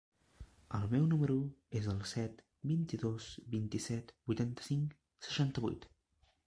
El meu número es el set, vint-i-dos, vint-i-set, vuitanta-cinc, seixanta-vuit.